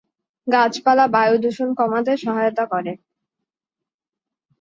গাছপালা বায়ু দূষণ কমাতে সহায়তা করে।